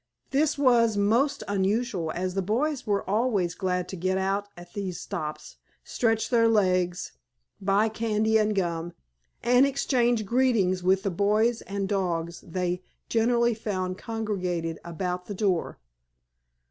This was most unusual, as the boys were always glad to get out at these stops, stretch their legs, buy candy and gum, and exchange greetings with the boys and dogs they generally found congregated about the door.